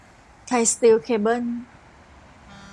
ไทยสตีลเคเบิล